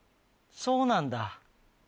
そうなんだ。